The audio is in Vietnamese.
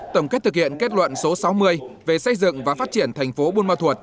tổng kết thực hiện kết luận số sáu mươi về xây dựng và phát triển thành phố buôn ma thuột